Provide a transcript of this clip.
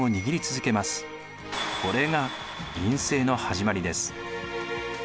これが院政の始まりです。